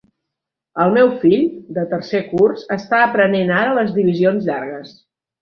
El meu fill, de tercer curs, està aprenent ara les divisions llargues.